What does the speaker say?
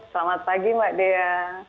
selamat pagi mbak dea